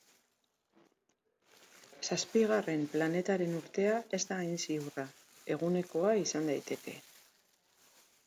Zazpigarren planetaren urtea ez da hain ziurra, egunekoa izan daiteke.